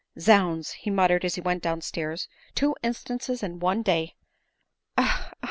" Zounds !" mut terred he as he went down stairs, " two instances in one day ! Ah, ah